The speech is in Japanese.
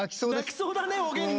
泣きそうだねおげんね。